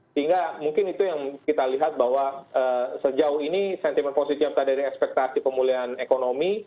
sehingga mungkin itu yang kita lihat bahwa sejauh ini sentimen positif tadi dari ekspektasi pemulihan ekonomi